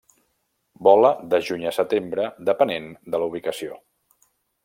Vola de juny a setembre, depenent de la ubicació.